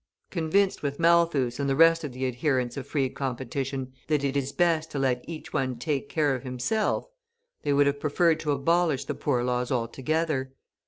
Convinced with Malthus and the rest of the adherents of free competition that it is best to let each one take care of himself, they would have preferred to abolish the Poor Laws altogether.